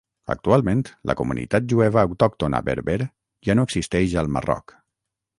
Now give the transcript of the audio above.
Actualment la comunitat jueva autòctona berber ja no existeix al Marroc.